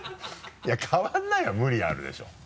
いや変わらないは無理あるでしょ